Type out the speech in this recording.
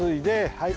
はい。